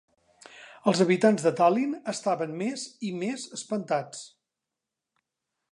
Els habitants de Tallinn estaven més i més espantats.